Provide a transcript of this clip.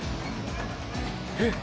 えっ！？